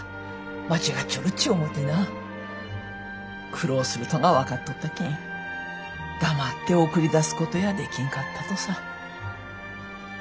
苦労するとが分かっとったけん黙って送り出すことやできんかったとさ。